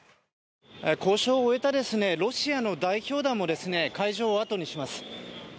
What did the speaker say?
交渉を終えたロシアの代表団も会場を後にします。